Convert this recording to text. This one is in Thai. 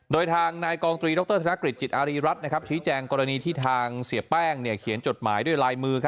โดยทางนายกองตรีดรธนกฤษจิตอารีรัฐชี้แจงกรณีที่ทางเสียแป้งเขียนจดหมายด้วยลายมือ